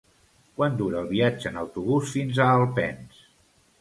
Quant dura el viatge en autobús fins a Alpens?